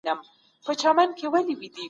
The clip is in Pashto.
چترال او سوات دي.